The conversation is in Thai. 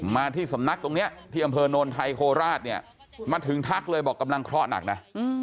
มาที่สำนักตรงนี้ที่อำเภอโนนไทยโคราชเนี่ยมาถึงทักเลยบอกกำลังเคราะห์หนักนะ